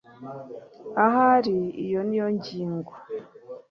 ahari iyo niyo ngingo